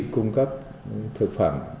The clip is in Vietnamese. cung cấp thực phẩm